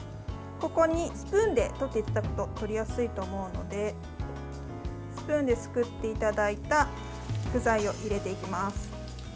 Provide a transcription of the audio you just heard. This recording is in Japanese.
ここにスプーンで取っていただくと取りやすいと思うのでスプーンですくっていただいた具材を入れていきます。